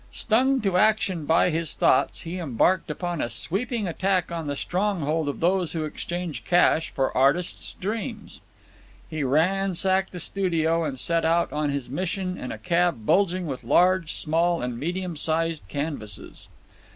Stung to action by his thoughts, he embarked upon a sweeping attack on the stronghold of those who exchange cash for artists' dreams. He ransacked the studio and set out on his mission in a cab bulging with large, small, and medium sized canvases.